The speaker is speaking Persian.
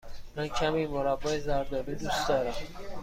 من کمی مربای زرد آلو دوست دارم.